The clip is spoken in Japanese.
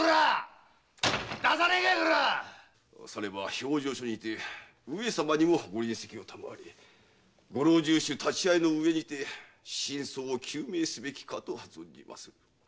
評定所にて上様にもご臨席を賜りご老中衆立ち会いの上にて真相を究明すべきかと存じます。